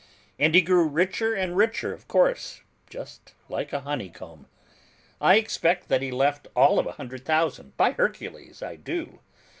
And he grew richer and richer, of course: just like a honeycomb. I expect that he left all of a hundred thousand, by Hercules, I do!